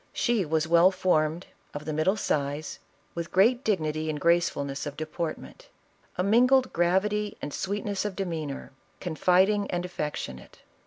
She was well formed, of the middle size, with great dignity and gracefulness of deportment; a mingled gravity and sweetness of demeanor; confiding and affectionate.